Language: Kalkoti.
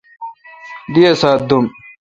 دی اسا ت دوم۔